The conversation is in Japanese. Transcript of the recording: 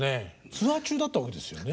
ツアー中だったわけですよね。